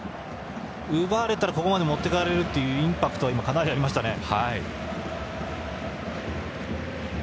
奪われたらあそこまで持っていかれるというインパクトは今、かなりありましたね。